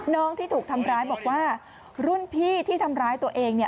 น้องที่ถูกทำร้ายบอกว่ารุ่นพี่ที่ทำร้ายตัวเองเนี่ย